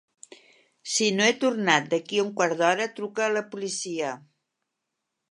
Si no he tornat d'aquí a un quart d'hora, truca a la policia.